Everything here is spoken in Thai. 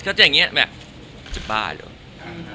ก็จะอย่างนี้แบบจะบ้าหรือ